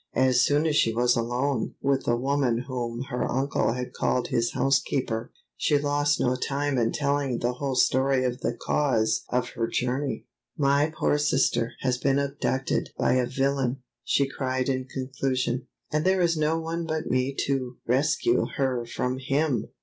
As soon as she was alone with the woman whom her uncle had called his housekeeper, she lost no time in telling the whole story of the cause of her journey. "My poor sister has been abducted by a villain," she cried in conclusion, "and there is no one but me to rescue her from him!